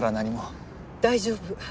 大丈夫。